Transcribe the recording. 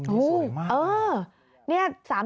มุมดีสวยมาก